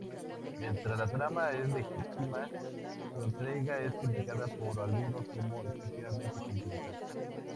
Mientras la trama es legítima, su entrega es criticada por algunos como "excesivamente compleja".